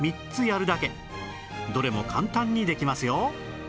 どれも簡単にできますよ